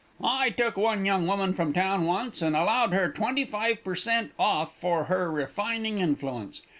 "I took one young woman from town once, and allowed her 25 per cent. off for her refining influence.